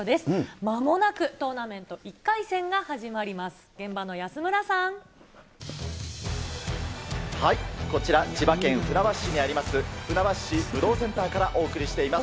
まもなくトーナメント１回戦が始こちら、千葉県船橋市にあります、船橋市武道センターからお送りしています。